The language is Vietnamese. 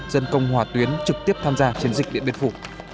dân công hỏa tuyến trực tiếp tham gia chiến dịch điện biên phủ